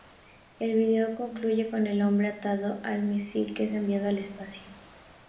El video concluye con el hombre atado al misil, que es enviado al espacio.